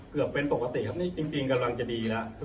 เกือบเป็นปกติครับนี่จริงกำลังจะดีแล้ว